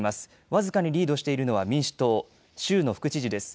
僅かにリードしているのは民主党、州の副知事です。